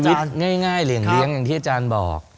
คิดง่ายเหรียญเลี้ยงอย่างที่อาจารย์บอก